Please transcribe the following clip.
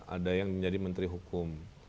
ada yang menjadi menteri hukum